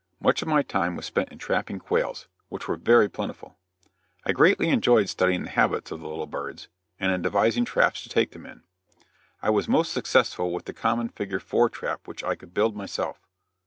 Much of my time was spent in trapping quails, which were very plentiful. I greatly enjoyed studying the habits of the little birds, and in devising traps to take them in. I was most successful with the common figure "4" trap which I could build myself.